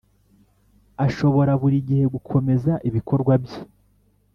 ashobora buri gihe gukomeza ibikorwa bye